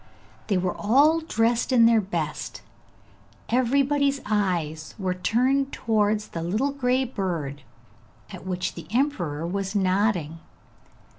They were all dressed in their best; everybody's eyes were turned towards the little grey bird at which the emperor was nodding.